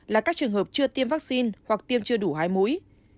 là các trường hợp chưa tiêm vaccine hoặc tiêm chưa đủ hi mũi